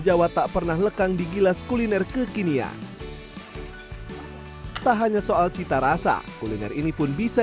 jawa tak pernah lekang di gilas kuliner kekinian tak hanya soal cita rasa kuliner ini pun bisa